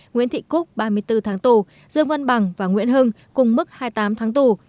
nguyễn thị cúc ba mươi bốn tháng tù dương văn bằng và nguyễn hưng cùng mức hai mươi tám tháng tù